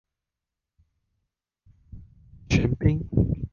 玄彬